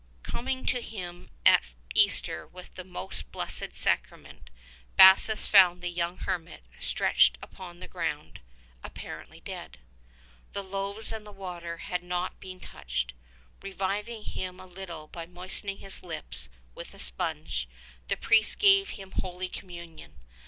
Com ing to him at Easter with the Most Blessed Sacrament, Bassus found the young hermit stretched upon the ground, apparently dead. The loaves and the water had not been touched. Reviving him a little by moistening his lips with a sponge, the priest gave him Holy Communion.